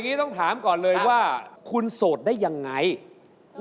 พี่ไม่ต้องใช่ไหมใช่ใช่พี่ห้ามไปยุ่งกับเขาอ๋อ